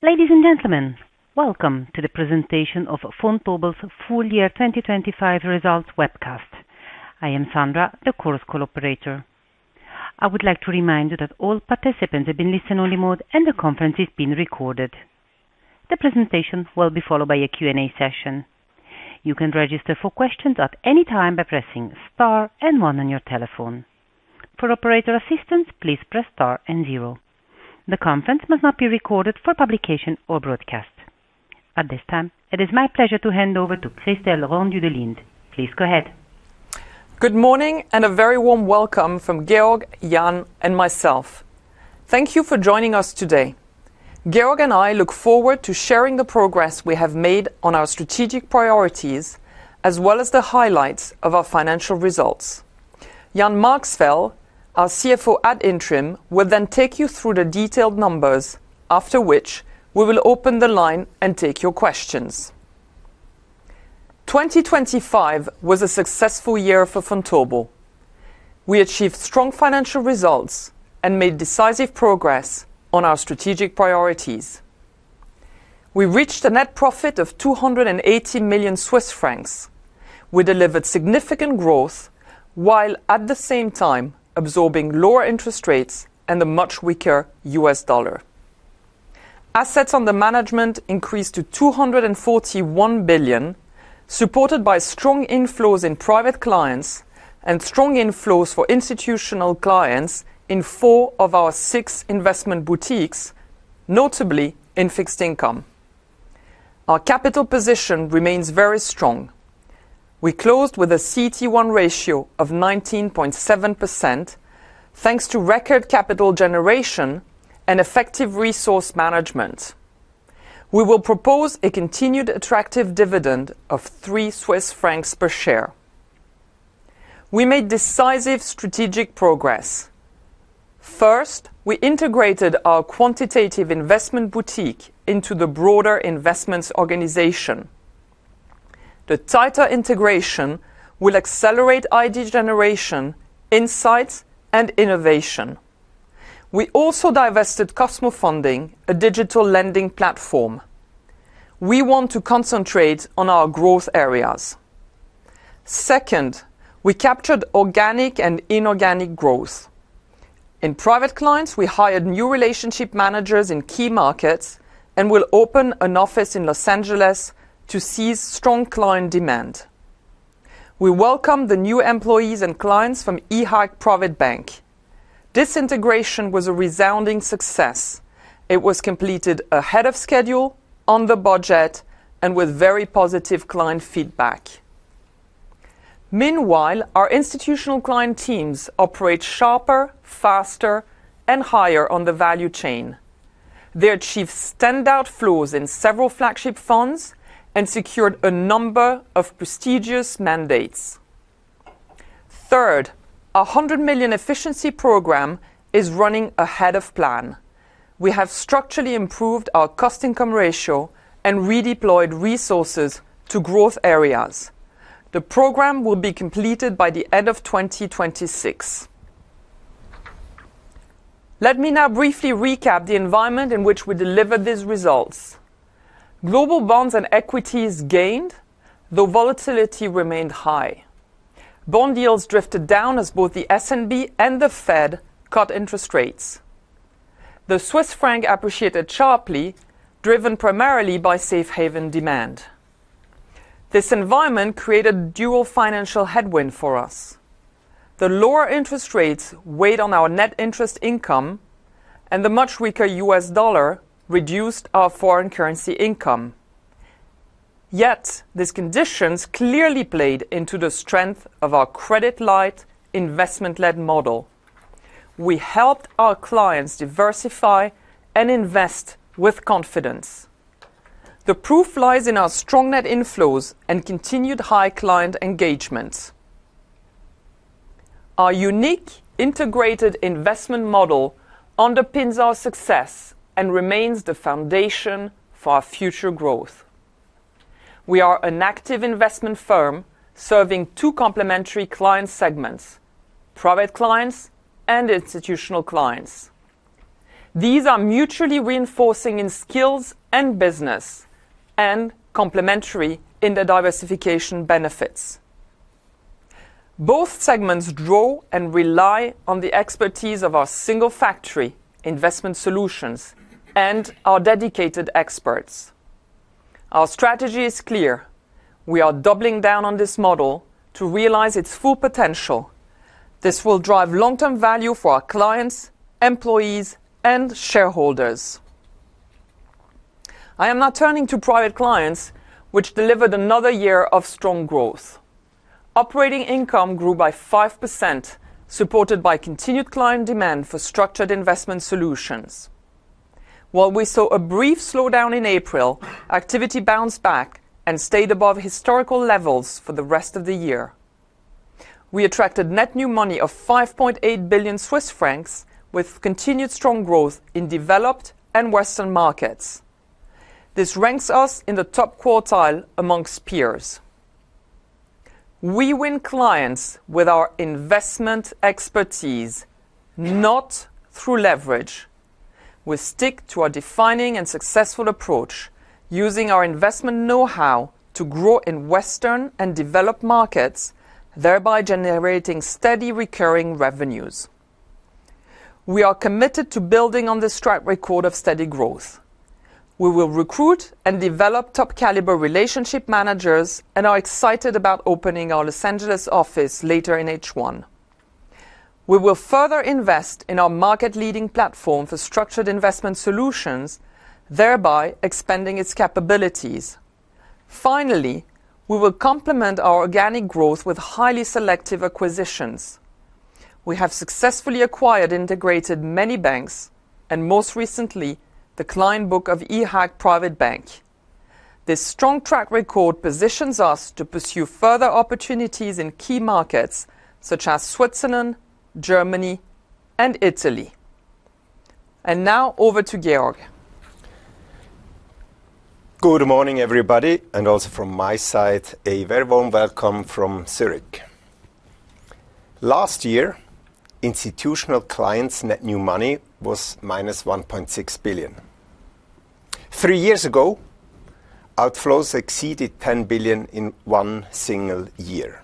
Ladies and gentlemen, welcome to the presentation of Vontobel's full-year 2025 results webcast. I am Sandra, the Chorus Call operator. I would like to remind you that all participants have been placed in listen-only mode, and the conference is being recorded. The presentation will be followed by a Q&A session. You can register for questions at any time by pressing star and one on your telephone. For operator assistance, please press star and zero. The conference must not be recorded for publication or broadcast. At this time, it is my pleasure to hand over to Christel Rendu de Lint. Please go ahead. Good morning and a very warm welcome from Georg, Jan, and myself. Thank you for joining us today. Georg and I look forward to sharing the progress we have made on our strategic priorities, as well as the highlights of our financial results. Jan Marxfeld, our CFO ad interim, will then take you through the detailed numbers, after which we will open the line and take your questions. 2025 was a successful year for Vontobel. We achieved strong financial results and made decisive progress on our strategic priorities. We reached a net profit of 280 million Swiss francs. We delivered significant growth while, at the same time, absorbing lower interest rates and the much weaker US dollar. Assets under Management increased to 241 billion, supported by strong inflows in private clients and strong inflows for institutional clients in four of our six investment boutiques, notably in fixed income. Our capital position remains very strong. We closed with a CET1 ratio of 19.7%, thanks to record capital generation and effective resource management. We will propose a continued attractive dividend of 3 Swiss francs per share. We made decisive strategic progress. First, we integrated our Quantitative Investment boutique into the broader investments organization. The tighter integration will accelerate ID generation, insights, and innovation. We also divested cosmofunding, a digital lending platform. We want to concentrate on our growth areas. Second, we captured organic and inorganic growth. In private clients, we hired new relationship managers in key markets and will open an office in Los Angeles to seize strong client demand. We welcomed the new employees and clients from Privatbank IHAG Zürich AG. This integration was a resounding success. It was completed ahead of schedule, on the budget, and with very positive client feedback. Meanwhile, our institutional client teams operate sharper, faster, and higher on the value chain. They achieved standout flows in several flagship funds and secured a number of prestigious mandates. Third, our 100 million efficiency program is running ahead of plan. We have structurally improved our cost-income ratio and redeployed resources to growth areas. The program will be completed by the end of 2026. Let me now briefly recap the environment in which we delivered these results. Global bonds and equities gained, though volatility remained high. Bond yields drifted down as both the SNB and the Fed cut interest rates. The CHF appreciated sharply, driven primarily by safe-haven demand. This environment created dual financial headwind for us. The lower interest rates weighed on our net interest income, and the much weaker US dollar reduced our foreign currency income. Yet these conditions clearly played into the strength of our credit-light, investment-led model. We helped our clients diversify and invest with confidence. The proof lies in our strong net inflows and continued high client engagement. Our unique, integrated investment model underpins our success and remains the foundation for our future growth. We are an active investment firm serving two complementary client segments: private clients and institutional clients. These are mutually reinforcing in skills and business, and complementary in the diversification benefits. Both segments draw and rely on the expertise of our single factory, Investment Solutions, and our dedicated experts. Our strategy is clear. We are doubling down on this model to realize its full potential. This will drive long-term value for our clients, employees, and shareholders. I am now turning to private clients, which delivered another year of strong growth. Operating income grew by 5%, supported by continued client demand for structured investment solutions. While we saw a brief slowdown in April, activity bounced back and stayed above historical levels for the rest of the year. We attracted net new money of 5.8 billion Swiss francs, with continued strong growth in developed and Western markets. This ranks us in the top quartile among peers. We win clients with our investment expertise, not through leverage. We stick to our defining and successful approach, using our investment know-how to grow in Western and developed markets, thereby generating steady, recurring revenues. We are committed to building on this track record of steady growth. We will recruit and develop top-caliber relationship managers and are excited about opening our Los Angeles office later in H1. We will further invest in our market-leading platform for structured investment solutions, thereby expanding its capabilities. Finally, we will complement our organic growth with highly selective acquisitions. We have successfully acquired integrated many banks and, most recently, the client book of Privatbank IHAG Zürich AG. This strong track record positions us to pursue further opportunities in key markets such as Switzerland, Germany, and Italy. And now over to Georg. Good morning, everybody. And also from my side, a very warm welcome from Zürich. Last year, institutional clients' net new money was -1.6 billion. Three years ago, outflows exceeded 10 billion in one single year.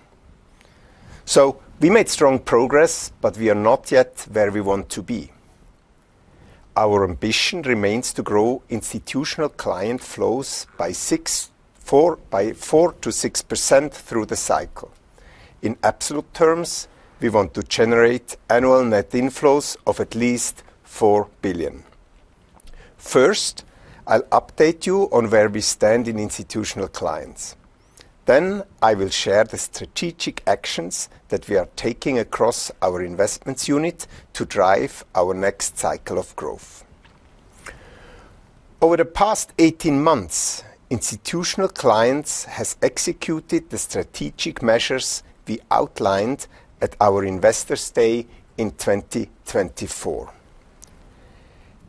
So we made strong progress, but we are not yet where we want to be. Our ambition remains to grow institutional client flows by 4%-6% through the cycle. In absolute terms, we want to generate annual net inflows of at least 4 billion. First, I'll update you on where we stand in institutional clients. Then I will share the strategic actions that we are taking across our investments unit to drive our next cycle of growth. Over the past 18 months, institutional clients have executed the strategic measures we outlined at our Investor Day in 2024.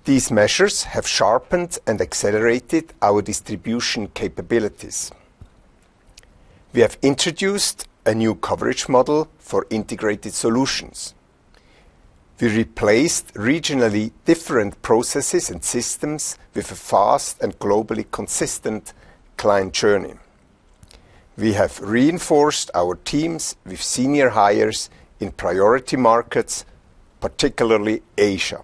These measures have sharpened and accelerated our distribution capabilities. We have introduced a new coverage model for integrated solutions. We replaced regionally different processes and systems with a fast and globally consistent client journey. We have reinforced our teams with senior hires in priority markets, particularly Asia.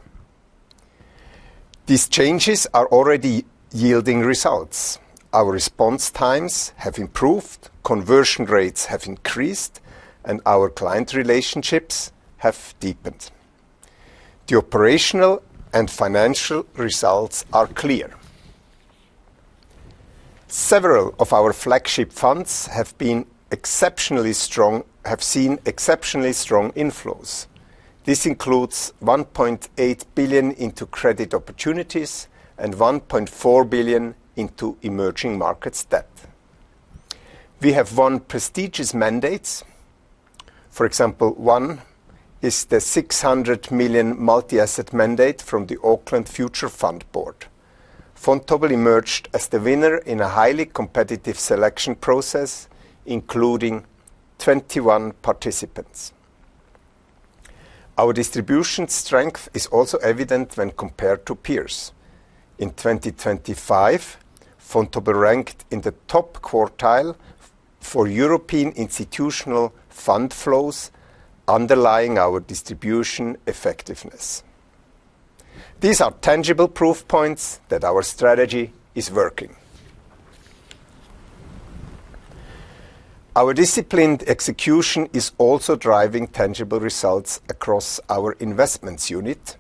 These changes are already yielding results. Our response times have improved, conversion rates have increased, and our client relationships have deepened. The operational and financial results are clear. Several of our flagship funds have seen exceptionally strong inflows. This includes 1.8 billion into Credit Opportunities and 1.4 billion into Emerging Markets Debt. We have won prestigious mandates. For example, one is the 600 million multi-asset mandate from the Auckland Future Fund Board. Vontobel emerged as the winner in a highly competitive selection process, including 21 participants. Our distribution strength is also evident when compared to peers. In 2025, Vontobel ranked in the top quartile for European institutional fund flows, underlying our distribution effectiveness. These are tangible proof points that our strategy is working. Our disciplined execution is also driving tangible results across our investments unit,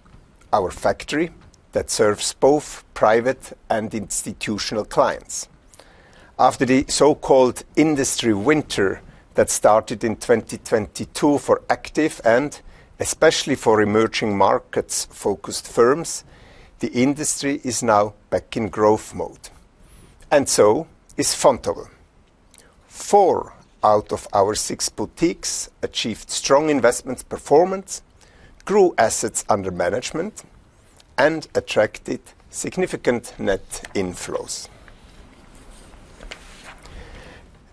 our factory that serves both private and institutional clients. After the so-called industry winter that started in 2022 for active and, especially, for emerging markets-focused firms, the industry is now back in growth mode. And so is Vontobel. Four out of our six boutiques achieved strong investments performance, grew assets under management, and attracted significant net inflows.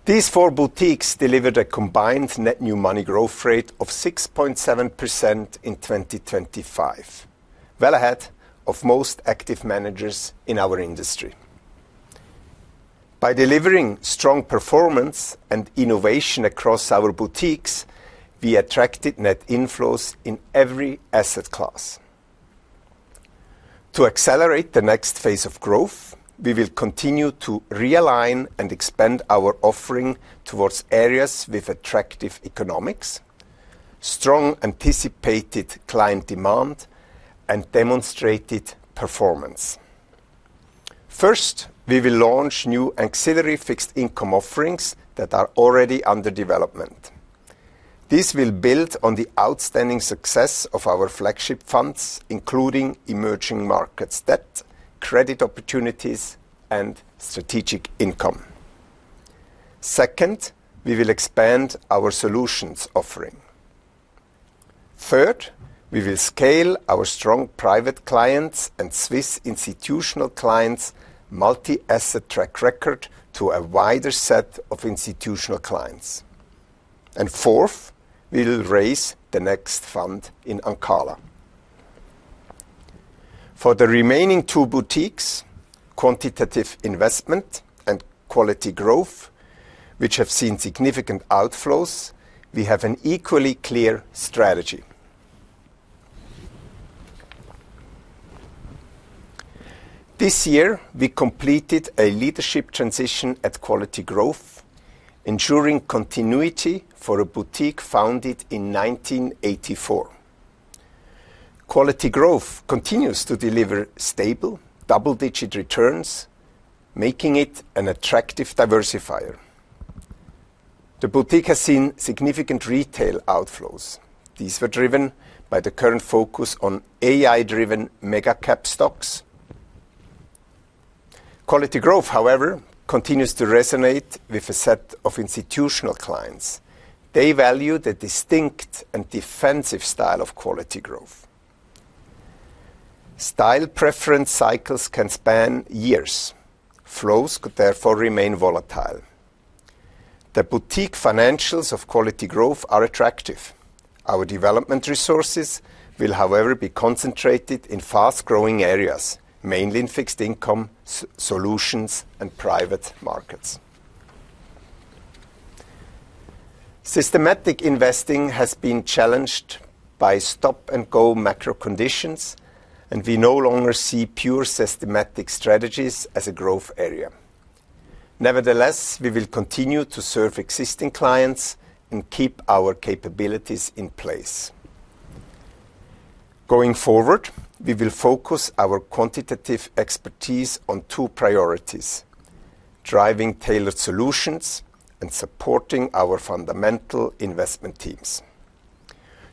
These four boutiques delivered a combined net new money growth rate of 6.7% in 2025, well ahead of most active managers in our industry. By delivering strong performance and innovation across our boutiques, we attracted net inflows in every asset class. To accelerate the next phase of growth, we will continue to realign and expand our offering towards areas with attractive economics, strong anticipated client demand, and demonstrated performance. First, we will launch new ancillary fixed income offerings that are already under development. These will build on the outstanding success of our flagship funds, including Emerging Markets Debt, Credit Opportunities, and Strategic Income. Second, we will expand our solutions offering. Third, we will scale our strong private clients and Swiss institutional clients' multi-asset track record to a wider set of institutional clients. And fourth, we will raise the next fund in Ancala. For the remaining two boutiques, Quantitative Investment and Quality Growth, which have seen significant outflows, we have an equally clear strategy. This year, we completed a leadership transition at Quality Growth, ensuring continuity for a boutique founded in 1984. Quality Growth continues to deliver stable, double-digit returns, making it an attractive diversifier. The boutique has seen significant retail outflows. These were driven by the current focus on AI-driven mega-cap stocks. Quality Growth, however, continues to resonate with a set of institutional clients. They value the distinct and defensive style of Quality Growth. Style preference cycles can span years. Flows could therefore remain volatile. The boutique financials of Quality Growth are attractive. Our development resources will, however, be concentrated in fast-growing areas, mainly in fixed-income solutions and private markets. Systematic investing has been challenged by stop-and-go macro conditions, and we no longer see pure systematic strategies as a growth area. Nevertheless, we will continue to serve existing clients and keep our capabilities in place. Going forward, we will focus our quantitative expertise on two priorities: driving tailored solutions and supporting our fundamental investment teams.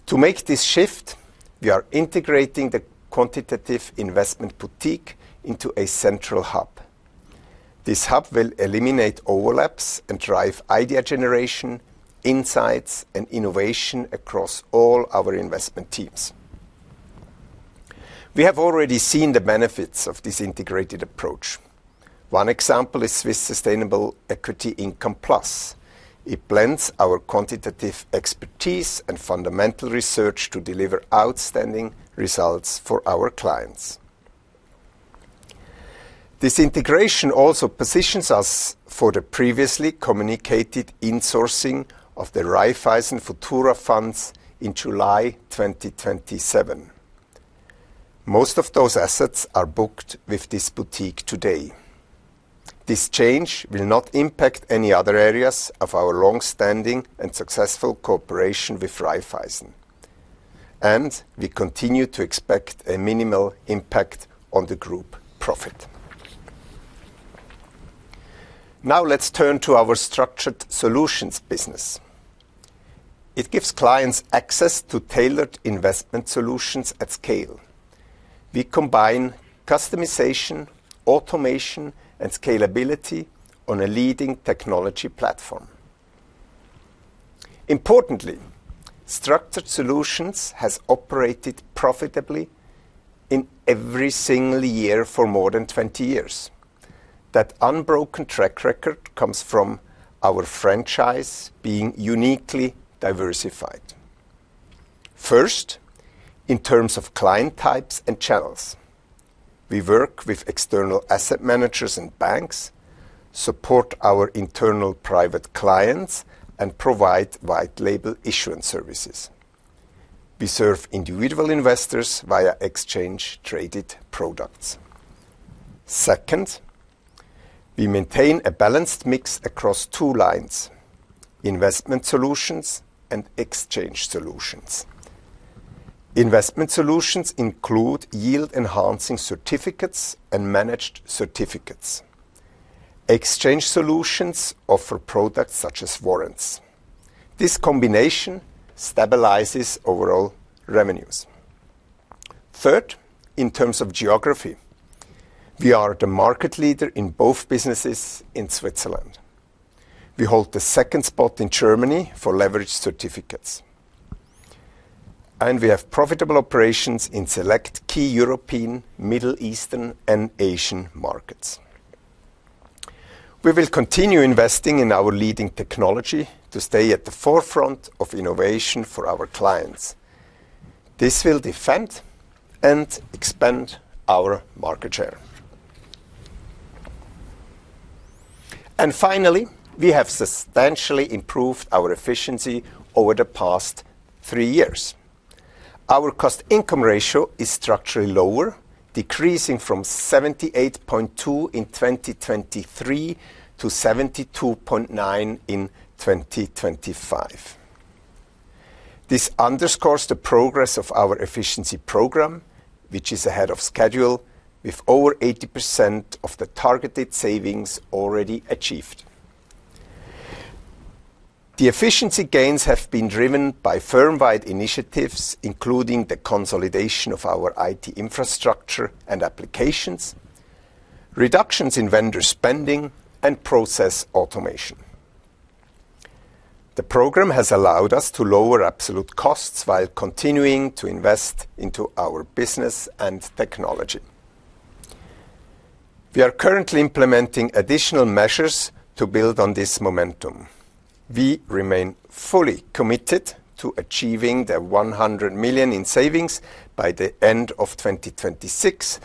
To make this shift, we are integrating the Quantitative Investment boutique into a central hub. This hub will eliminate overlaps and drive idea generation, insights, and innovation across all our investment teams. We have already seen the benefits of this integrated approach. One example is Swiss Sustainable Equity Income Plus. It blends our quantitative expertise and fundamental research to deliver outstanding results for our clients. This integration also positions us for the previously communicated insourcing of the Raiffeisen Futura funds in July 2027. Most of those assets are booked with this boutique today. This change will not impact any other areas of our longstanding and successful cooperation with Raiffeisen. We continue to expect a minimal impact on the group profit. Now let's turn to our Structured Solutions business. It gives clients access to tailored investment solutions at scale. We combine customization, automation, and scalability on a leading technology platform. Importantly, structured solutions have operated profitably in every single year for more than 20 years. That unbroken track record comes from our franchise being uniquely diversified. First, in terms of client types and channels. We work with external asset managers and banks, support our internal private clients, and provide white-label issuance services. We serve individual investors via exchange-traded products. Second, we maintain a balanced mix across two lines: investment solutions and exchange solutions. Investment solutions include yield-enhancing certificates and managed certificates. Exchange solutions offer products such as warrants. This combination stabilizes overall revenues. Third, in terms of geography. We are the market leader in both businesses in Switzerland. We hold the second spot in Germany for leveraged certificates. We have profitable operations in select key European, Middle Eastern, and Asian markets. We will continue investing in our leading technology to stay at the forefront of innovation for our clients. This will defend and expand our market share. And finally, we have substantially improved our efficiency over the past three years. Our cost-income ratio is structurally lower, decreasing from 78.2% in 2023 to 72.9% in 2025. This underscores the progress of our efficiency program, which is ahead of schedule, with over 80% of the targeted savings already achieved. The efficiency gains have been driven by firm-wide initiatives, including the consolidation of our IT infrastructure and applications, reductions in vendor spending, and process automation. The program has allowed us to lower absolute costs while continuing to invest into our business and technology. We are currently implementing additional measures to build on this momentum. We remain fully committed to achieving 100 million in savings by the end of 2026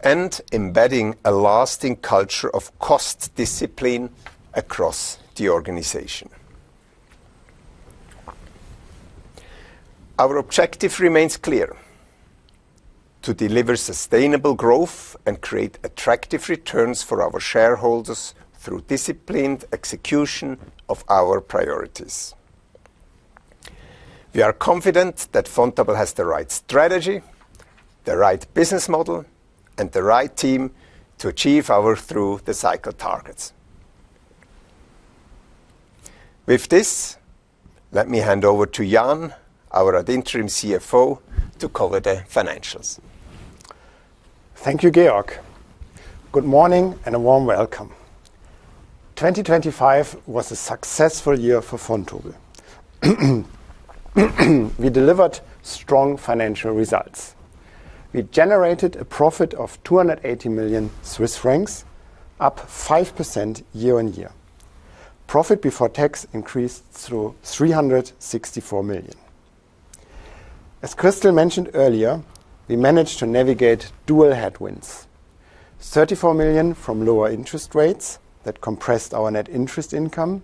and embedding a lasting culture of cost discipline across the organization. Our objective remains clear: to deliver sustainable growth and create attractive returns for our shareholders through disciplined execution of our priorities. We are confident that Vontobel has the right strategy, the right business model, and the right team to achieve our through-the-cycle targets. With this, let me hand over to Jan, our ad interim CFO, to cover the financials. Thank you, Georg. Good morning and a warm welcome. 2025 was a successful year for Vontobel. We delivered strong financial results. We generated a profit of 280 million Swiss francs, up 5% year-on-year. Profit before tax increased to 364 million. As Christel mentioned earlier, we managed to navigate dual headwinds: 34 million from lower interest rates that compressed our net interest income,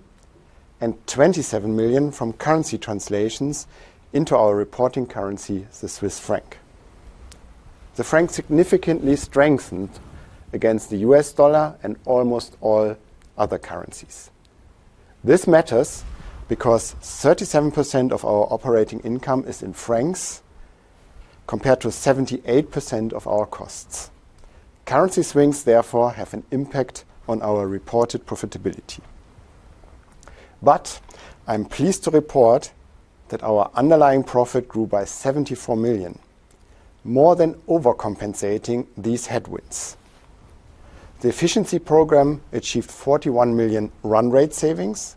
and 27 million from currency translations into our reporting currency, the Swiss franc. The franc significantly strengthened against the US dollar and almost all other currencies. This matters because 37% of our operating income is in francs compared to 78% of our costs. Currency swings, therefore, have an impact on our reported profitability. But I am pleased to report that our underlying profit grew by 74 million, more than overcompensating these headwinds. The efficiency program achieved 41 million run-rate savings,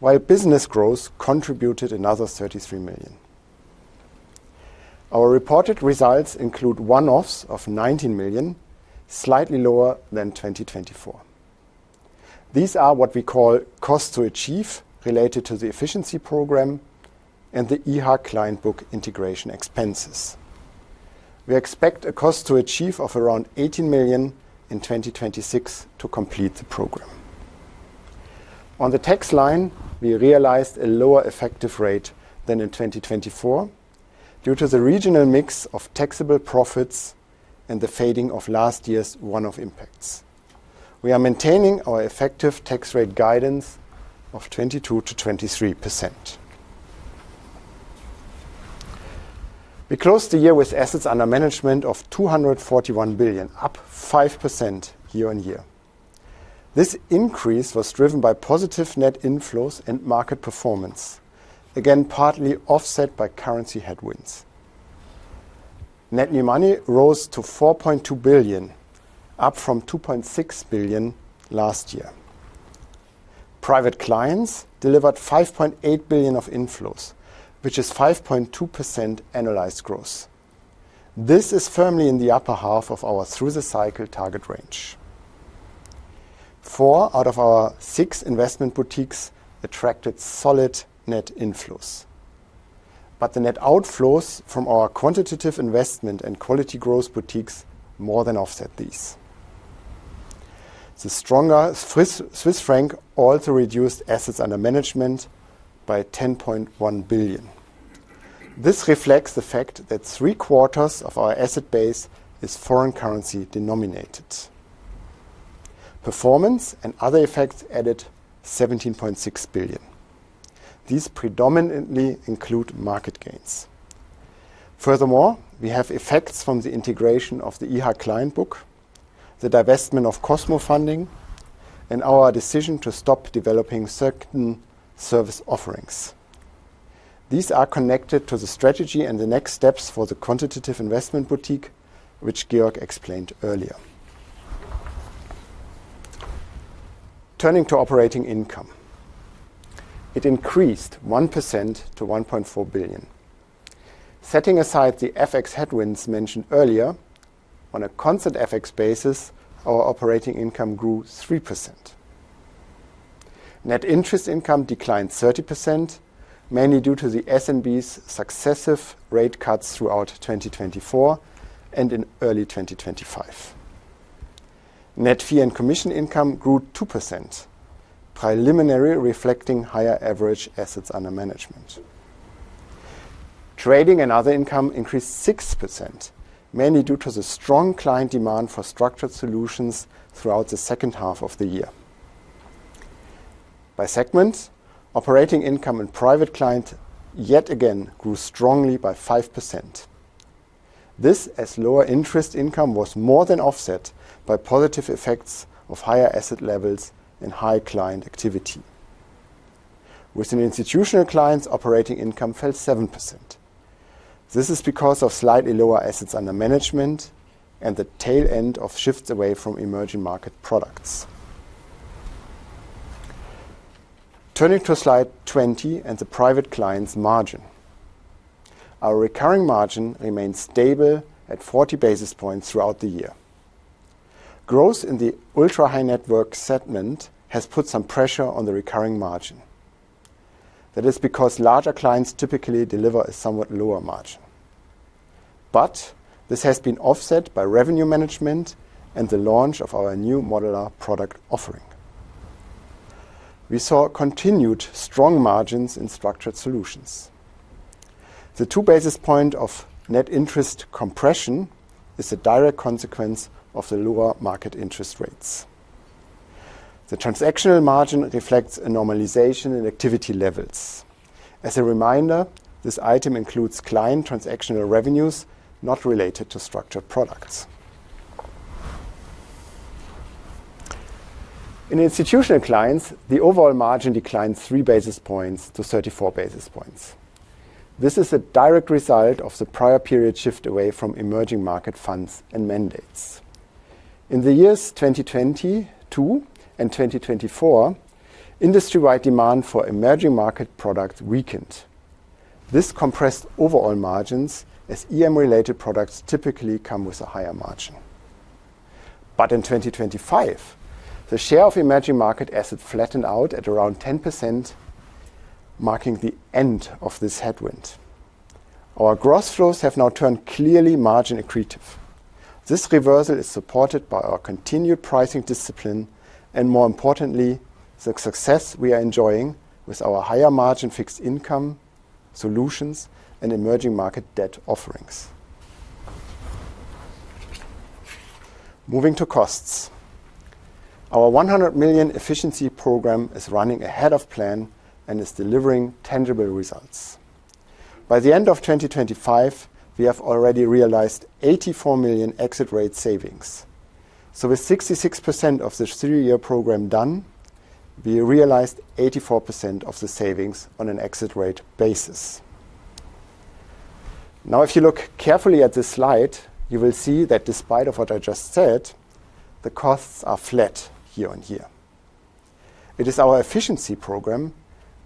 while business growth contributed another 33 million. Our reported results include one-offs of 19 million, slightly lower than 2024. These are what we call cost-to-achieve related to the efficiency program and the IHAG client book integration expenses. We expect a cost-to-achieve of around 18 million in 2026 to complete the program. On the tax line, we realized a lower effective rate than in 2024 due to the regional mix of taxable profits and the fading of last year's one-off impacts. We are maintaining our effective tax rate guidance of 22%-23%. We closed the year with Assets under Management of 241 billion, up 5% year-on-year. This increase was driven by positive net inflows and market performance, again partly offset by currency headwinds. Net New Money rose to 4.2 billion, up from 2.6 billion last year. Private Clients delivered 5.8 billion of inflows, which is 5.2% annualized growth. This is firmly in the upper half of our through-the-cycle target range. Four out of our six investment boutiques attracted solid net inflows. But the net outflows from our Quantitative Investment and Quality Growth boutiques more than offset these. The stronger Swiss franc also reduced Assets under Management by 10.1 billion. This reflects the fact that three-quarters of our asset base is foreign currency denominated. Performance and other effects added 17.6 billion. These predominantly include market gains. Furthermore, we have effects from the integration of the IHAG client book, the divestment of cosmofunding, and our decision to stop developing certain service offerings. These are connected to the strategy and the next steps for the quantitative investment boutique, which Georg explained earlier. Turning to operating income. It increased 1% to 1.4 billion. Setting aside the FX headwinds mentioned earlier, on a constant FX basis, our operating income grew 3%. Net interest income declined 30%, mainly due to the SNB's successive rate cuts throughout 2024 and in early 2025. Net fee and commission income grew 2%, preliminarily reflecting higher average assets under management. Trading and other income increased 6%, mainly due to the strong client demand for structured solutions throughout the second half of the year. By segment, operating income and private client yet again grew strongly by 5%. This, as lower interest income was more than offset by positive effects of higher asset levels and high client activity. Within institutional clients, operating income fell 7%. This is because of slightly lower assets under management and the tail end of shifts away from emerging market products. Turning to slide 20 and the private clients' margin. Our recurring margin remained stable at 40 basis points throughout the year. Growth in the ultra-high network segment has put some pressure on the recurring margin. That is because larger clients typically deliver a somewhat lower margin. This has been offset by revenue management and the launch of our new modular product offering. We saw continued strong margins in structured solutions. The 2 basis points of net interest compression is a direct consequence of the lower market interest rates. The transactional margin reflects a normalization in activity levels. As a reminder, this item includes client transactional revenues not related to structured products. In institutional clients, the overall margin declined three basis points to 34 basis points. This is a direct result of the prior period shift away from emerging market funds and mandates. In the years 2022 and 2024, industry-wide demand for emerging market products weakened. This compressed overall margins as EM-related products typically come with a higher margin. But in 2025, the share of emerging market assets flattened out at around 10%, marking the end of this headwind. Our gross flows have now turned clearly margin-accretive. This reversal is supported by our continued pricing discipline and, more importantly, the success we are enjoying with our higher margin fixed income solutions and emerging market debt offerings. Moving to costs. Our 100 million efficiency program is running ahead of plan and is delivering tangible results. By the end of 2025, we have already realized 84 million exit rate savings. So, with 66% of the three-year program done, we realized 84% of the savings on an exit rate basis. Now, if you look carefully at this slide, you will see that, despite what I just said, the costs are flat year-on-year. It is our efficiency program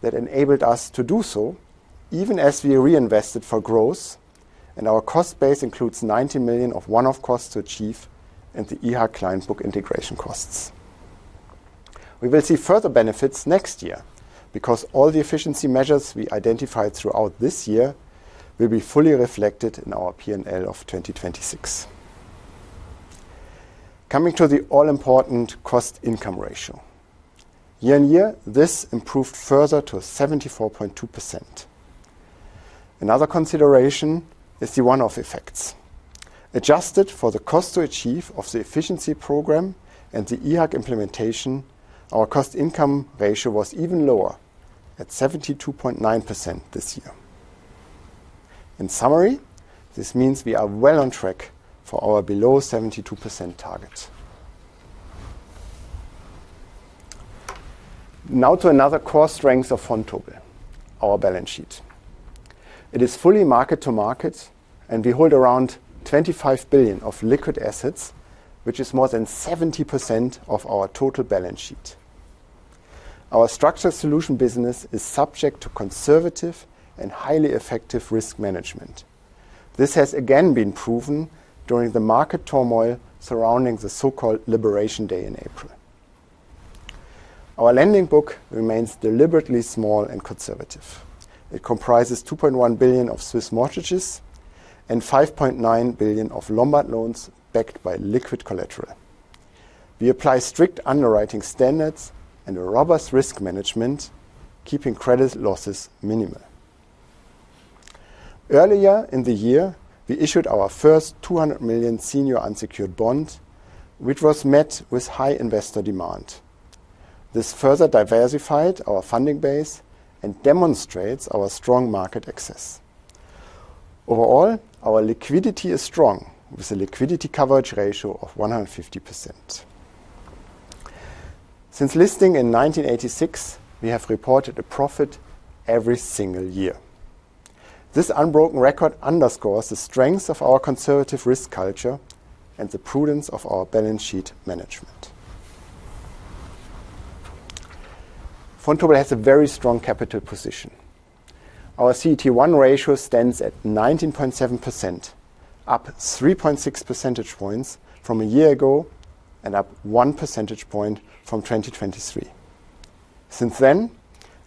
that enabled us to do so, even as we reinvested for growth. And our cost base includes 90 million of one-off costs to achieve and the IHAG client book integration costs. We will see further benefits next year because all the efficiency measures we identified throughout this year will be fully reflected in our P&L of 2026. Coming to the all-important cost-income ratio. Year-on-year, this improved further to 74.2%. Another consideration is the one-off effects. Adjusted for the cost to achieve of the efficiency program and the IHAG implementation, our cost-income ratio was even lower at 72.9% this year. In summary, this means we are well on track for our below 72% target. Now to another core strength of Vontobel: our balance sheet. It is fully mark-to-market and we hold around 25 billion of liquid assets, which is more than 70% of our total balance sheet. Our Structured Solutions business is subject to conservative and highly effective risk management. This has again been proven during the market turmoil surrounding the so-called Liberation Day in April. Our lending book remains deliberately small and conservative. It comprises 2.1 billion of Swiss mortgages and 5.9 billion of Lombard loans backed by liquid collateral. We apply strict underwriting standards and a robust risk management, keeping credit losses minimal. Earlier in the year, we issued our first 200 million senior unsecured bond, which was met with high investor demand. This further diversified our funding base and demonstrates our strong market access. Overall, our liquidity is strong, with a liquidity coverage ratio of 150%. Since listing in 1986, we have reported a profit every single year. This unbroken record underscores the strengths of our conservative risk culture and the prudence of our balance sheet management. Vontobel has a very strong capital position. Our CET1 ratio stands at 19.7%, up 3.6 percentage points from a year ago and up 1 percentage point from 2023. Since then,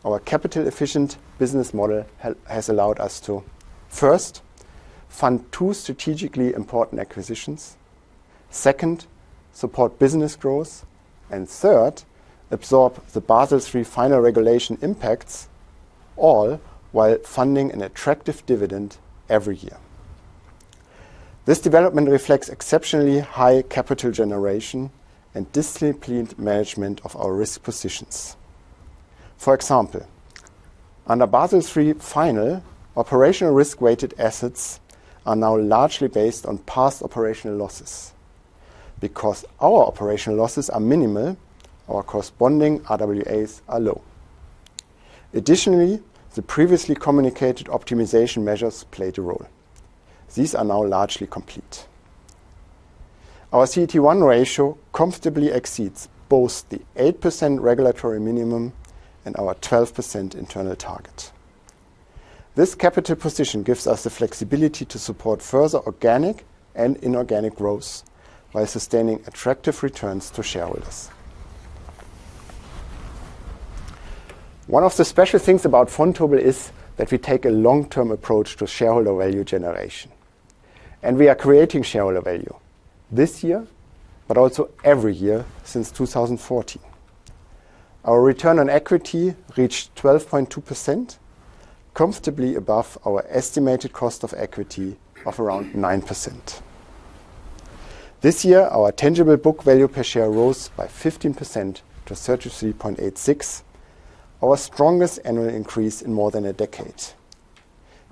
our capital-efficient business model has allowed us to: first, fund two strategically important acquisitions; second, support business growth; and third, absorb the Basel III final regulation impacts, all while funding an attractive dividend every year. This development reflects exceptionally high capital generation and disciplined management of our risk positions. For example, under Basel III final, operational risk-weighted assets are now largely based on past operational losses. Because our operational losses are minimal, our corresponding RWAs are low. Additionally, the previously communicated optimization measures played a role. These are now largely complete. Our CET1 ratio comfortably exceeds both the 8% regulatory minimum and our 12% internal target. This capital position gives us the flexibility to support further organic and inorganic growths while sustaining attractive returns to shareholders. One of the special things about Vontobel is that we take a long-term approach to shareholder value generation. We are creating shareholder value this year but also every year since 2014. Our return on equity reached 12.2%, comfortably above our estimated cost of equity of around 9%. This year, our tangible book value per share rose by 15% to 33.86, our strongest annual increase in more than a decade.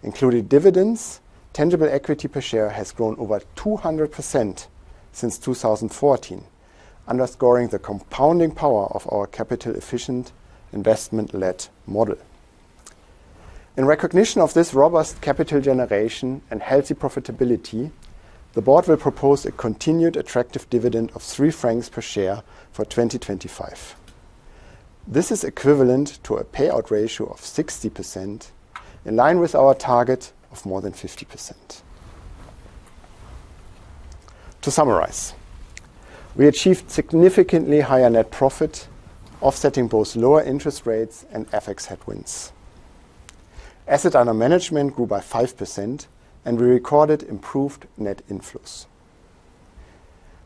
Including dividends, tangible equity per share has grown over 200% since 2014, underscoring the compounding power of our capital-efficient, investment-led model. In recognition of this robust capital generation and healthy profitability, the board will propose a continued attractive dividend of 3 francs per share for 2025. This is equivalent to a payout ratio of 60%, in line with our target of more than 50%. To summarize, we achieved significantly higher net profit, offsetting both lower interest rates and FX headwinds. Assets under management grew by 5% and we recorded improved net inflows.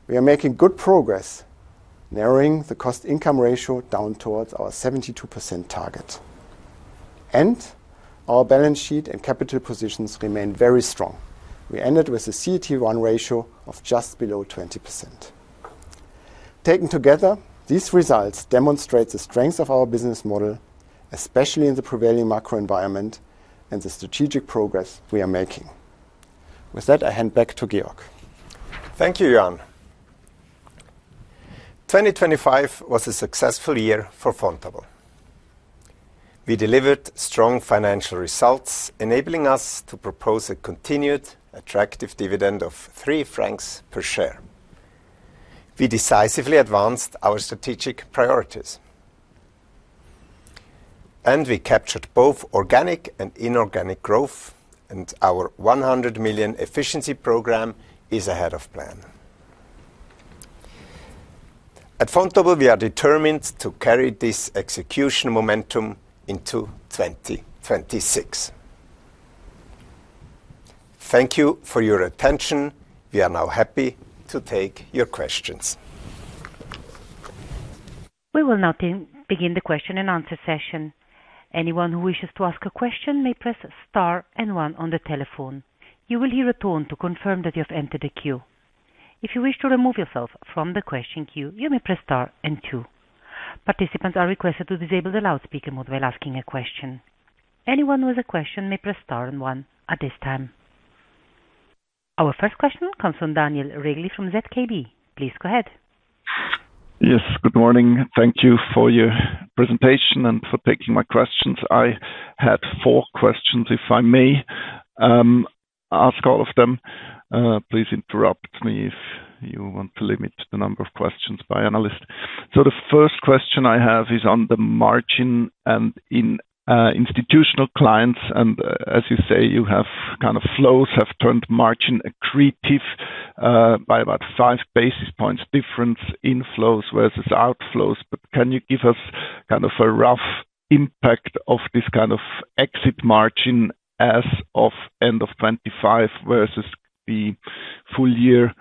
We are making good progress, narrowing the cost-income ratio down towards our 72% target. And our balance sheet and capital positions remain very strong. We ended with a CET1 ratio of just below 20%. Taken together, these results demonstrate the strengths of our business model, especially in the prevailing macro environment and the strategic progress we are making. With that, I hand back to Georg. Thank you, Jan. 2025 was a successful year for Vontobel. We delivered strong financial results, enabling us to propose a continued, attractive dividend of 3 francs per share. We decisively advanced our strategic priorities. And we captured both organic and inorganic growth and our 100 million efficiency program is ahead of plan. At Vontobel, we are determined to carry this execution momentum into 2026. Thank you for your attention. We are now happy to take your questions. We will now begin the question and answer session. Anyone who wishes to ask a question may press star and one on the telephone. You will hear a tone to confirm that you have entered the queue. If you wish to remove yourself from the question queue, you may press star and two. Participants are requested to disable the loudspeaker mode while asking a question. Anyone with a question may press star and one at this time. Our first question comes from Daniel Regli from ZKB. Please go ahead. Yes. Good morning. Thank you for your presentation and for taking my questions. I had four questions, if I may, ask all of them. Please interrupt me if you want to limit the number of questions by analyst. So the first question I have is on the margin and in institutional clients. And as you say, you have kind of flows have turned margin-accretive, by about five basis points difference in flows versus outflows. Can you give us kind of a rough impact of this kind of exit margin as of end of 2025 versus the full year,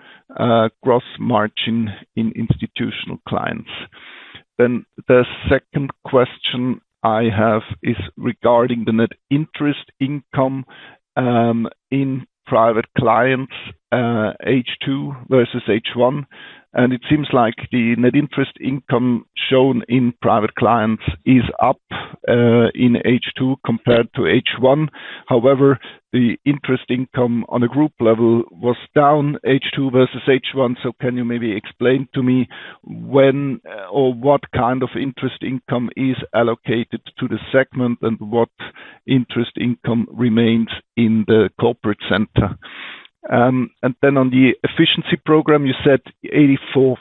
gross margin in institutional clients? Then the second question I have is regarding the net interest income, in private clients, H2 versus H1. And it seems like the net interest income shown in private clients is up, in H2 compared to H1. However, the interest income on a group level was down, H2 versus H1. So can you maybe explain to me when or what kind of interest income is allocated to the segment and what interest income remains in the corporate center? And then on the efficiency program, you said 84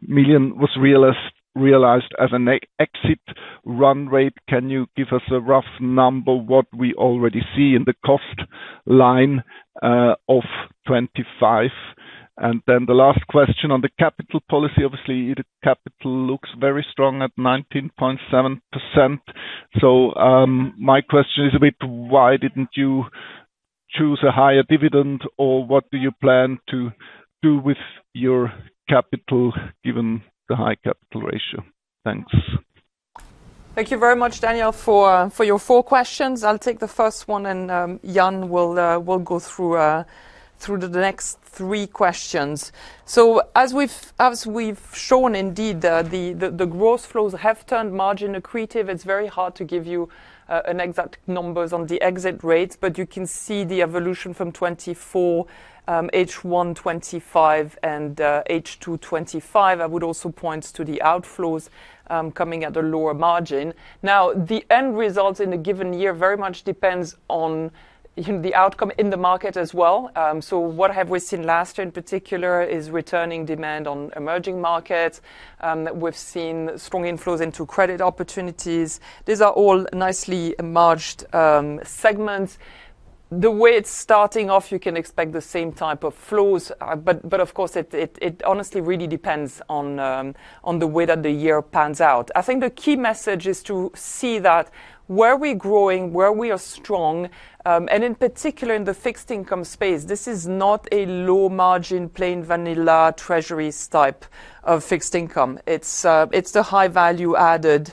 million was realized as a net exit run rate. Can you give us a rough number what we already see in the cost line, of 2025? And then the last question on the capital policy. Obviously, the capital looks very strong at 19.7%. So, my question is a bit why didn't you choose a higher dividend or what do you plan to do with your capital given the high capital ratio? Thanks. Thank you very much, Daniel, for your four questions. I'll take the first one and Jan will go through the next three questions. So as we've shown, indeed, the gross flows have turned margin-accretive. It's very hard to give you an exact numbers on the exit rates. But you can see the evolution from 2024, H1 2025 and H2 2025. I would also point to the outflows coming at a lower margin. Now, the end results in a given year very much depends on, you know, the outcome in the market as well. So what have we seen last year in particular is returning demand on emerging markets. We've seen strong inflows into Credit Opportunities. These are all nicely margined segments. The way it's starting off, you can expect the same type of flows. But of course, it honestly really depends on the way that the year pans out. I think the key message is to see that where we're growing, where we are strong, and in particular in the fixed income space, this is not a low margin, plain vanilla, treasuries type of fixed income. It's the high value added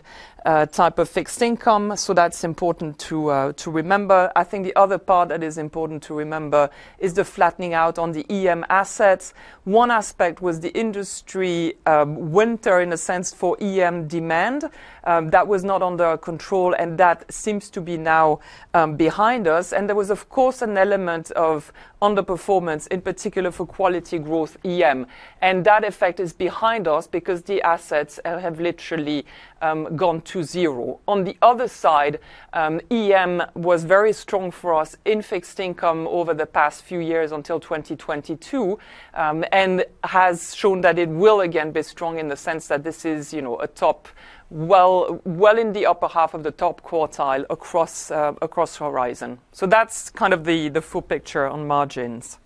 type of fixed income. So that's important to remember. I think the other part that is important to remember is the flattening out on the EM assets. One aspect was the industry winter in a sense for EM demand. that was not under our control, and that seems to be now behind us. And there was, of course, an element of underperformance, in particular for Quality Growth EM. And that effect is behind us because the assets have literally gone to zero. On the other side, EM was very strong for us in fixed income over the past few years until 2022, and has shown that it will again be strong in the sense that this is, you know, a top, well, in the upper half of the top quartile across horizon. So that's kind of the full picture on margins.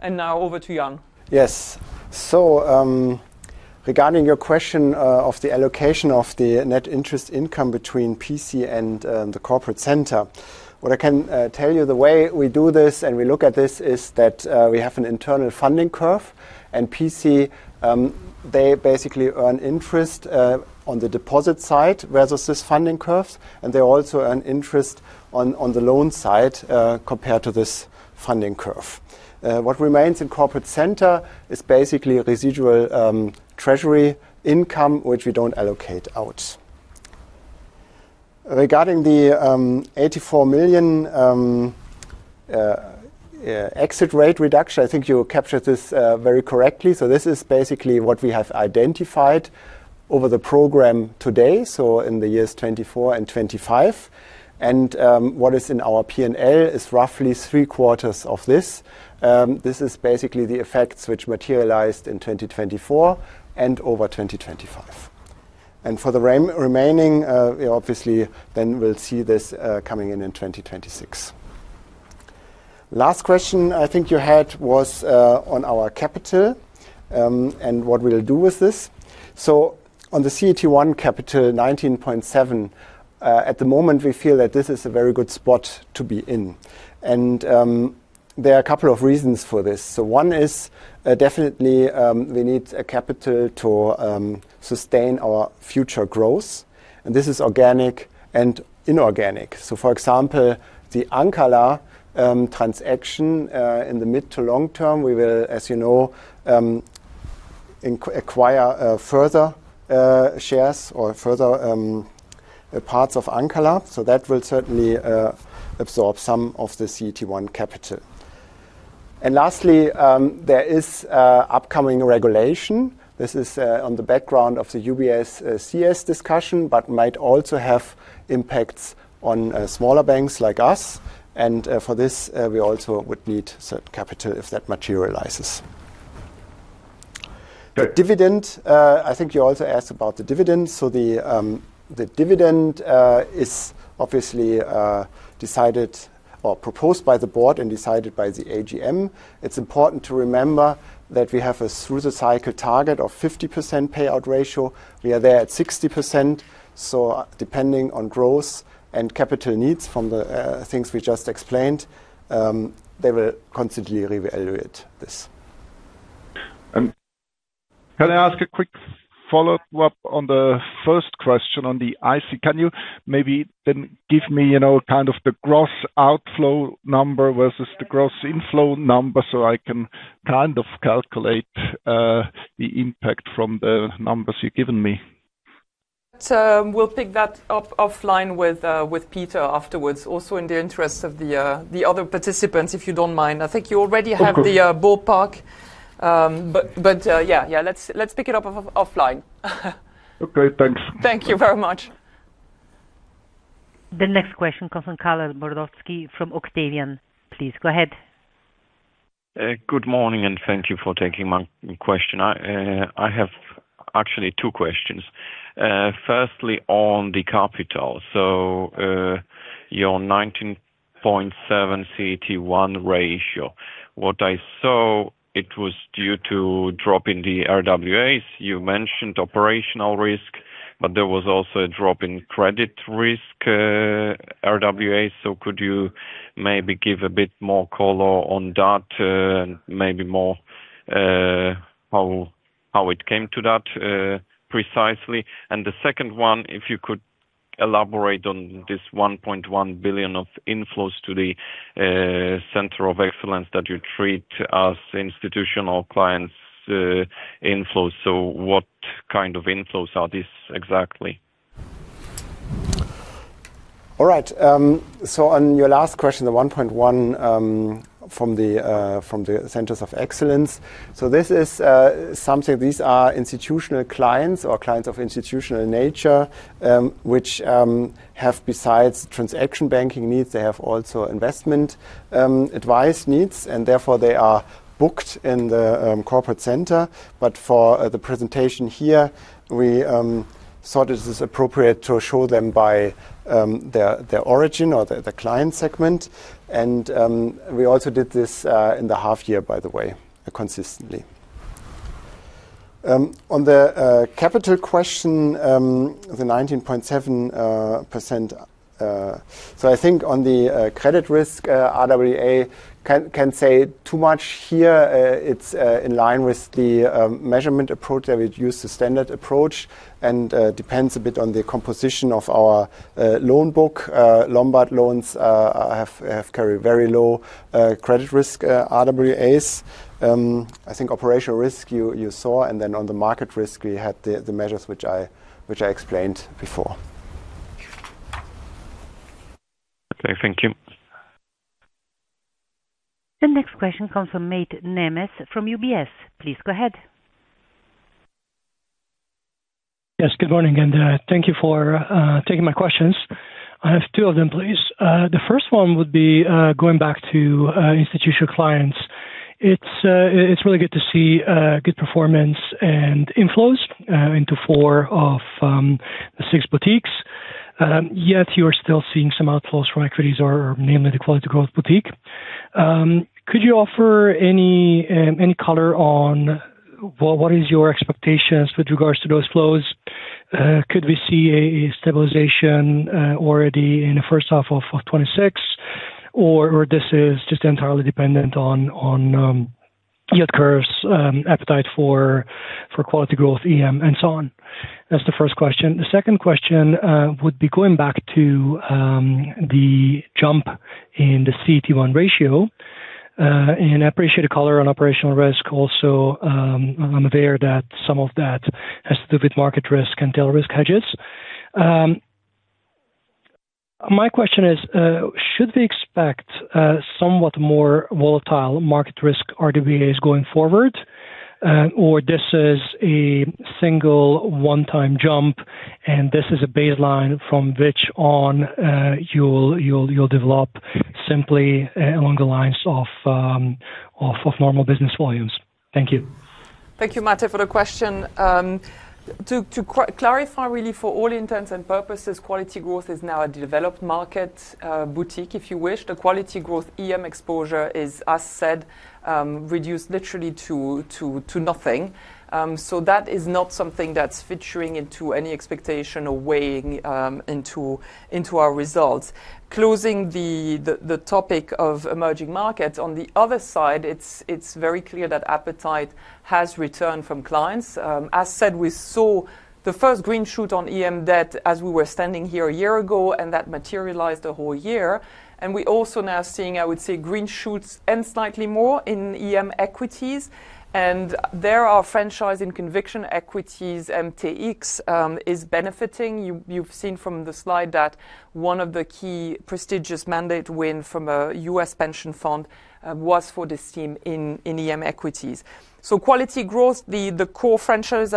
And now over to Jan. Yes. So, regarding your question of the allocation of the net interest income between PC and the corporate center, what I can tell you, the way we do this and we look at this is that we have an internal funding curve. And PC, they basically earn interest on the deposit side versus this funding curve. And they also earn interest on, on the loan side, compared to this funding curve. What remains in corporate center is basically residual treasury income, which we don't allocate out. Regarding the 84 million exit rate reduction, I think you captured this very correctly. So this is basically what we have identified over the program today, so in the years 2024 and 2025. And what is in our P&L is roughly three-quarters of this. This is basically the effects which materialized in 2024 and over 2025. For the remaining, you know, obviously, then we'll see this coming in in 2026. Last question I think you had was on our capital, and what we'll do with this. So on the CET1 capital, 19.7%, at the moment, we feel that this is a very good spot to be in. And there are a couple of reasons for this. So one is, definitely, we need capital to sustain our future growth. And this is organic and inorganic. So, for example, the Ancala transaction, in the mid- to long-term, we will, as you know, acquire further shares or further parts of Ancala. So that will certainly absorb some of the CET1 capital. And lastly, there is upcoming regulation. This is on the background of the UBS-CS discussion but might also have impacts on smaller banks like us. For this, we also would need certain capital if that materializes. The dividend, I think you also asked about the dividend. The dividend is obviously decided or proposed by the board and decided by the AGM. It's important to remember that we have a through-the-cycle target of 50% payout ratio. We are there at 60%. Depending on growth and capital needs from the things we just explained, they will considerably reevaluate this. And can I ask a quick follow-up on the first question on the IC? Can you maybe then give me, you know, kind of the gross outflow number versus the gross inflow number so I can kind of calculate the impact from the numbers you've given me? We'll pick that up offline with Peter afterwards, also in the interest of the other participants, if you don't mind. I think you already have the ballpark, but yeah, let's pick it up offline. Okay. Thanks. Thank you very much. The next question, Konstantin Kallas from Octavian, please. Go ahead. Good morning and thank you for taking my question. I have actually two questions. Firstly on the capital. So, your 19.7 CET1 ratio, what I saw, it was due to drop in the RWAs. You mentioned operational risk, but there was also a drop in credit risk, RWAs. So could you maybe give a bit more color on that, maybe more how it came to that, precisely? And the second one, if you could elaborate on this 1.1 billion of inflows to the center of excellence that you treat as institutional clients, inflows. So what kind of inflows are these exactly? All right. So, on your last question, the 1.1 from the centers of excellence. So this is something; these are institutional clients or clients of institutional nature, which have besides transaction banking needs, they have also investment advice needs. And therefore, they are booked in the corporate center. But for the presentation here, we thought it is appropriate to show them by their origin or the client segment. And we also did this in the half year, by the way, consistently. On the capital question, the 19.7%, so I think on the credit risk RWA, I can't say too much here. It's in line with the measurement approach that we'd use, the standard approach, and depends a bit on the composition of our loan book. Lombard loans have carried very low credit risk RWAs. I think operational risk you saw. And then on the market risk, we had the measures which I explained before. Okay. Thank you. The next question comes from Mate Nemes from UBS. Please go ahead. Yes. Good morning. And thank you for taking my questions. I have two of them, please. The first one would be, going back to institutional clients. It's really good to see good performance and inflows into four of the six boutiques. Yet you are still seeing some outflows from equities or mainly the Quality Growth boutique. Could you offer any color on what your expectations with regards to those flows? Could we see a stabilization already in the first half of 2026? Or this is just entirely dependent on yield curves, appetite for Quality Growth EM, and so on? That's the first question. The second question would be going back to the jump in the CET1 ratio. And I appreciate the color on operational risk also. I'm aware that some of that has to do with market risk and tail risk hedges. My question is, should we expect somewhat more volatile market risk RWAs going forward? Or this is a single one-time jump, and this is a baseline from which on, you'll, you'll, you'll develop simply along the lines of, of, of normal business volumes? Thank you. Thank you, Mate, for the question. To clarify really for all intents and purposes, Quality Growth is now a developed market boutique, if you wish. The Quality Growth EM exposure is, as said, reduced literally to, to, to nothing. So that is not something that's featuring into any expectation or weighing into, into our results. Closing the topic of emerging markets, on the other side, it's very clear that appetite has returned from clients. As said, we saw the first green shoot on EM debt as we were standing here a year ago, and that materialized the whole year. And we also now seeing, I would say, green shoots and slightly more in EM equities. And there are franchise in conviction equities. MTX is benefiting. You've seen from the slide that one of the key prestigious mandate win from a US pension fund was for this team in EM equities. So Quality Growth, the core franchises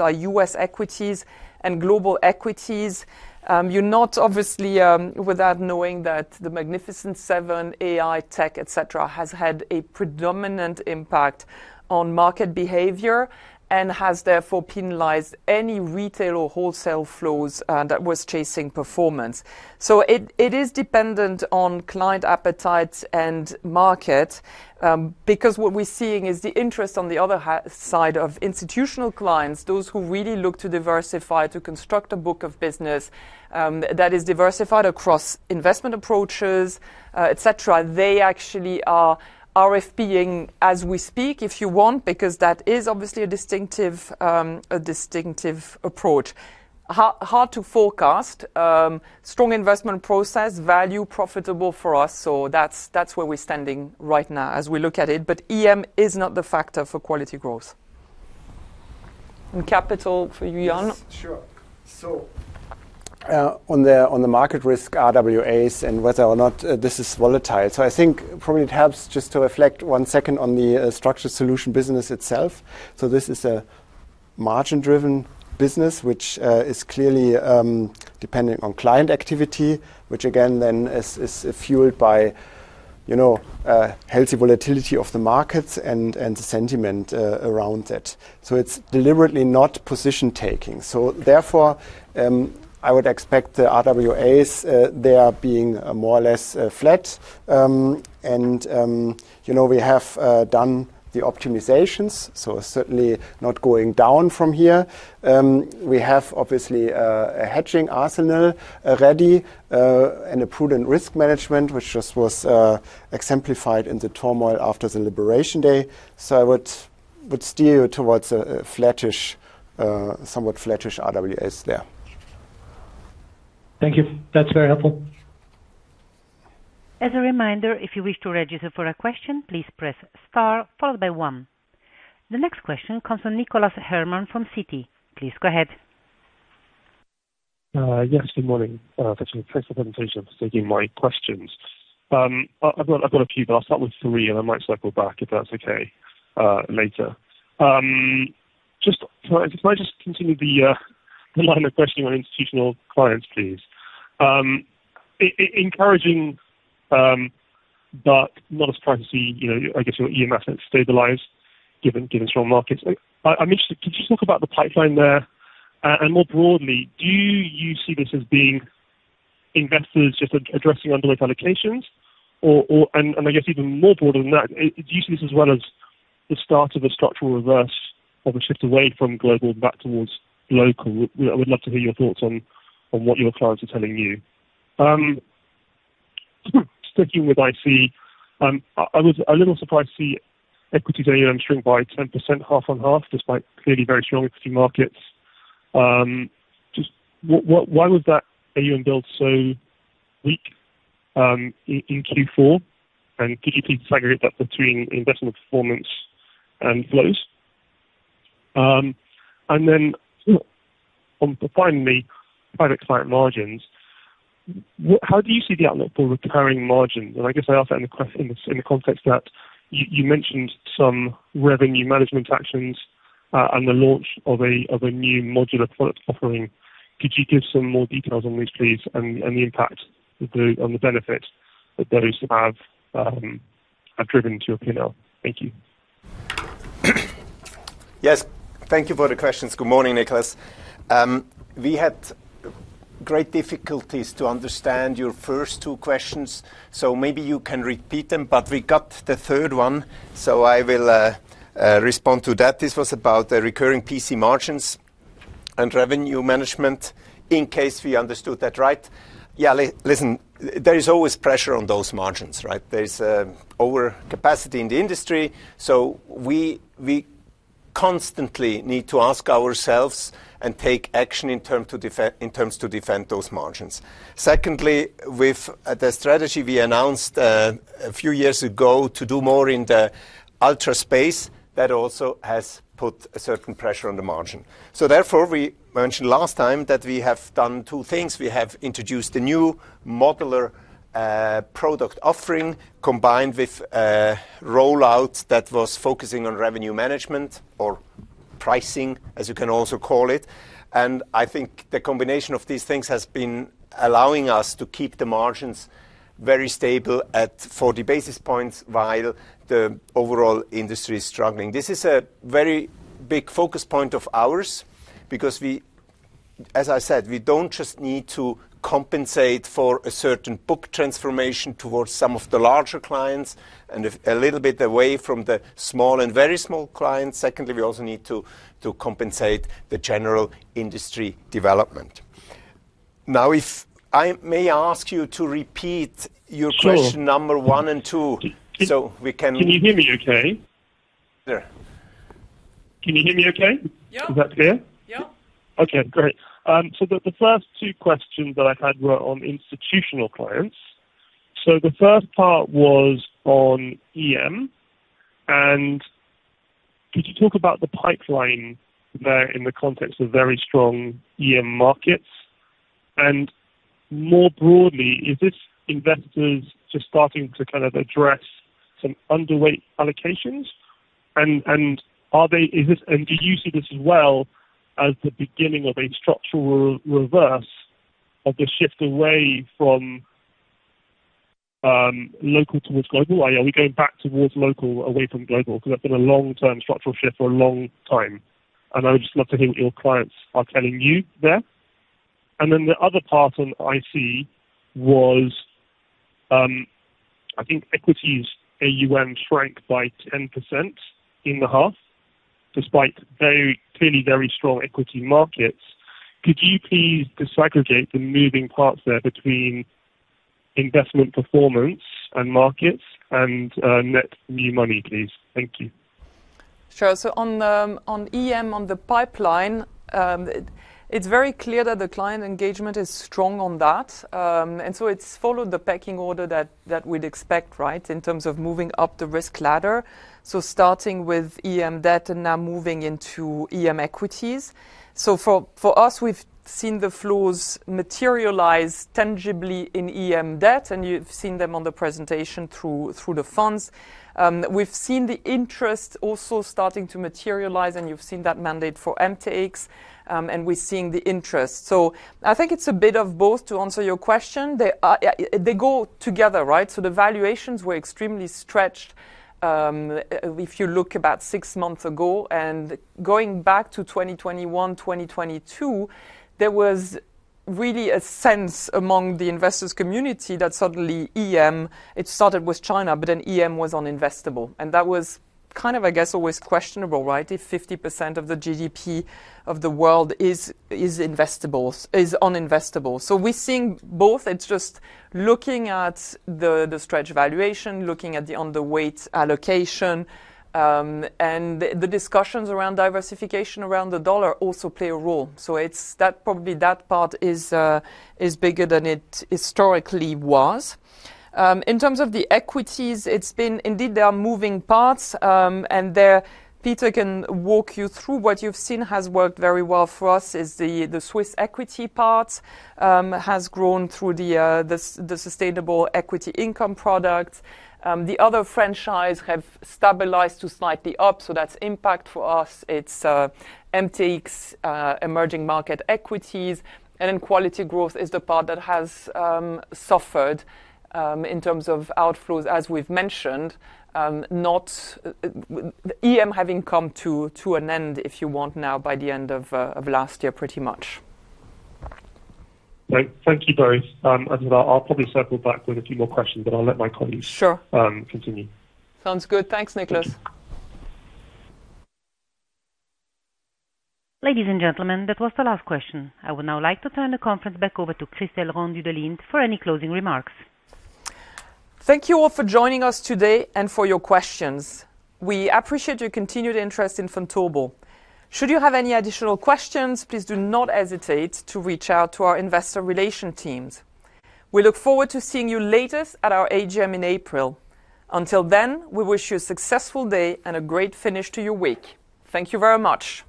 are US equities and global equities. You're not obviously without knowing that the Magnificent Seven, AI, tech, etc., has had a predominant impact on market behavior and has therefore penalized any retail or wholesale flows that was chasing performance. So it is dependent on client appetites and market, because what we're seeing is the interest on the other side of institutional clients, those who really look to diversify, to construct a book of business, that is diversified across investment approaches, etc., they actually are RFP-ing as we speak, if you want, because that is obviously a distinctive approach. Hard to forecast. Strong investment process, value, profitable for us. So that's where we're standing right now as we look at it. But EM is not the factor for Quality Growth. And capital for you, Jan. Sure. So on the market risk RWAs and whether or not this is volatile. So I think probably it helps just to reflect one second on the Structured Solutions business itself. So this is a margin-driven business, which is clearly dependent on client activity, which again then is fueled by, you know, healthy volatility of the markets and the sentiment around that. So it's deliberately not position-taking. So therefore, I would expect the RWAs to be more or less flat. And, you know, we have done the optimizations, so certainly not going down from here. We have obviously a hedging arsenal ready, and a prudent risk management, which just was exemplified in the turmoil after the Liberation Day. So I would steer you towards a flatish, somewhat flatish RWAs there. Thank you. That's very helpful. As a reminder, if you wish to register for a question, please press star followed by one. The next question comes from Nicholas Herman from Citi. Please go ahead. Yes. Good morning. Thanks for the presentation and for taking my questions. I've got a few, but I'll start with three, and I might circle back, if that's okay, later. Can I just continue the line of questioning on institutional clients, please? It's encouraging, but not as surprising as the, you know, I guess your EM assets stabilizing given strong markets. I'm interested, could you talk about the pipeline there? And more broadly, do you see this as being investors just addressing underweight allocations? Or and I guess even more broader than that, do you see this as well as the start of a structural reverse of a shift away from global and back towards local? I would love to hear your thoughts on what your clients are telling you. Sticking with IC, I was a little surprised to see equities AUM strength by 10% half-on-half despite clearly very strong equity markets. Just what, what, why was that AUM build so weak, in, in Q4? And could you please segregate that between investment performance and flows? And then on finally, private client margins, what how do you see the outlook for recurring margins? And I guess I ask that in the ques in the context that you, you mentioned some revenue management actions, and the launch of a of a new modular product offering. Could you give some more details on these, please, and, and the impact on the benefit that those have, have driven to your P&L? Thank you. Yes. Thank you for the questions. Good morning, Nicholas. We had great difficulties to understand your first two questions. So maybe you can repeat them, but we got the third one. So I will respond to that. This was about the recurring PC margins and revenue management in case we understood that right. Yeah. Listen, there is always pressure on those margins, right? There's overcapacity in the industry. So we constantly need to ask ourselves and take action in terms to defend those margins. Secondly, with the strategy we announced a few years ago to do more in the ultra space, that also has put a certain pressure on the margin. So therefore, we mentioned last time that we have done two things. We have introduced a new modular product offering combined with rollout that was focusing on revenue management or pricing, as you can also call it. I think the combination of these things has been allowing us to keep the margins very stable at 40 basis points while the overall industry is struggling. This is a very big focus point of ours because we, as I said, we don't just need to compensate for a certain book transformation towards some of the larger clients and a little bit away from the small and very small clients. Secondly, we also need to compensate the general industry development. Now, if I may ask you to repeat your question number 1 and 2 so we can. Can you hear me okay? Can you hear me okay? Yep. Is that clear? Yep. Okay. Great. So the first two questions that I had were on institutional clients. So the first part was on EM. Could you talk about the pipeline there in the context of very strong EM markets? And more broadly, is this investors just starting to kind of address some underweight allocations? And, and are they is this and do you see this as well as the beginning of a structural reverse of the shift away from local towards global? Are we going back towards local away from global? Because that's been a long-term structural shift for a long time. And I would just love to hear what your clients are telling you there. And then the other part on IC was, I think equities AUM shrank by 10% in the half despite very clearly very strong equity markets. Could you please disaggregate the moving parts there between investment performance and markets and net new money, please? Thank you. Sure. So on the EM, on the pipeline, it's very clear that the client engagement is strong on that. And so it's followed the pecking order that, that we'd expect, right, in terms of moving up the risk ladder. So starting with EM debt and now moving into EM equities. So for us, we've seen the flows materialize tangibly in EM debt, and you've seen them on the presentation through the funds. We've seen the interest also starting to materialize, and you've seen that mandate for MTX. And we're seeing the interest. So I think it's a bit of both to answer your question. They, they go together, right? So the valuations were extremely stretched, if you look about six months ago. And going back to 2021, 2022, there was really a sense among the investors' community that suddenly EM, it started with China, but then EM was uninvestable. And that was kind of, I guess, always questionable, right, if 50% of the GDP of the world is investable is uninvestable. So we're seeing both. It's just looking at the stretch valuation, looking at the underweight allocation. And the discussions around diversification around the dollar also play a role. So it's that probably that part is bigger than it historically was. In terms of the equities, it's been indeed, they are moving parts. And there Peter can walk you through. What you've seen has worked very well for us is the Swiss Equity part has grown through the Sustainable Equity Income product. The other franchise have stabilized to slightly up. So that's impact for us. It's MTX, emerging market equities. And then Quality Growth is the part that has suffered, in terms of outflows, as we've mentioned, not EM having come to an end, if you want, now by the end of last year pretty much. Thank you both. And I'll probably circle back with a few more questions, but I'll let my colleagues continue. Sure. Sounds good. Thanks, Nicholas. Ladies and gentlemen, that was the last question. I would now like to turn the conference back over to Christel Rendu de Lint for any closing remarks. Thank you all for joining us today and for your questions. We appreciate your continued interest in Vontobel. Should you have any additional questions, please do not hesitate to reach out to our Investor Relations teams. We look forward to seeing you at the latest at our AGM in April.Until then, we wish you a successful day and a great finish to your week. Thank you very much.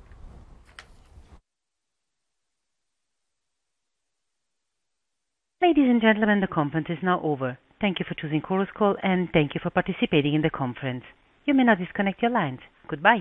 Ladies and gentlemen, the conference is now over. Thank you for choosing Chorus Call, and thank you for participating in the conference. You may now disconnect your lines. Goodbye.